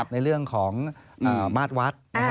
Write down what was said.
ในเรื่องของมาสวัสดิ์